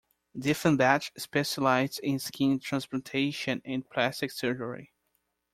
Dieffenbach specialized in skin transplantation and plastic surgery.